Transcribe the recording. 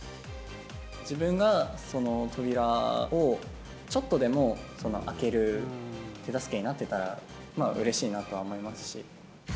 自分が扉をちょっとでも開ける手助けになってたら、うれしいなとは思いますし。